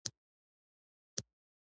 رئیس صاحب سره په خبرو شوم.